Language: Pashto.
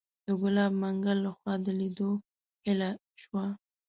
د ګلاب منګل لخوا د لیدو هیله شوه.